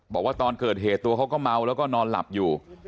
บอกว่าตอนเกิดเหตุตัวเขาก็เมาแล้วก็นอนหลับอยู่